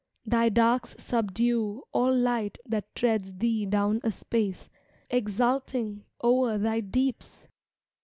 Thy darks subdue All light that treads thee down a space. Exulting o'er thy deeps.